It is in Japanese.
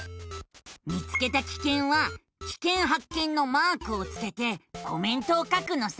見つけたキケンはキケンはっけんのマークをつけてコメントを書くのさ。